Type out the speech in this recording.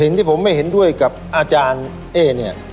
ที่ผมไม่เห็นด้วยกับอาจารย์เอ๊เนี่ย